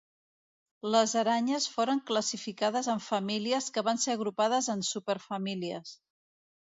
Les aranyes foren classificades en famílies que van ser agrupades en superfamílies.